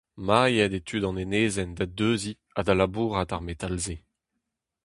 Mailhed eo tud an enezenn da deuziñ ha da labourat ar metal-se.